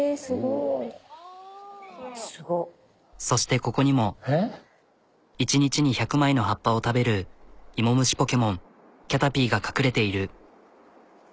そしてここにも１日に１００枚の葉っぱを食べるいもむしポケモンキャタピーが隠れている。